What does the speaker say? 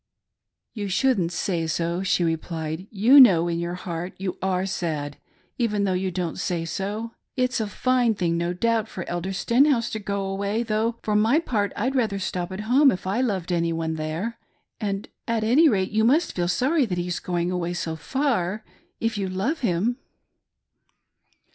" You shouldn't say so," she replied, " you know in your heart you are sad, although you don't say so. It's a fine thing, no doubt, for Elder Stenhouse to go away, though for my part I'd rather stop at home if I loved any one there, and," at any rate, you must feel sorry that he is going away so far, if you love him."